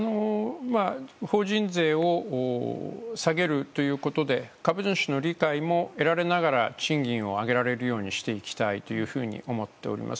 法人税を下げるということで株主の理解も得ながら賃金を上げられればと思っております。